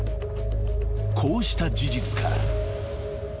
［こうした事実から］